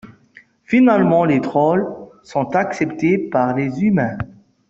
Finalement, les trolls sont acceptés par les humains.